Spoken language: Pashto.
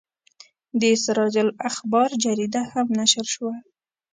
د سراج الاخبار جریده هم نشر شوه.